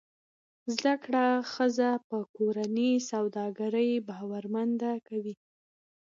زده کړه ښځه په کورني سوداګرۍ باورمند کوي.